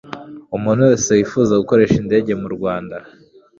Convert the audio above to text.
Umuntu wese wifuza gukoresha indege mu Rwanda